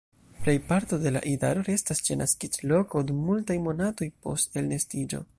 Plej parto de la idaro restas ĉe la naskiĝloko dum multaj monatoj post elnestiĝo.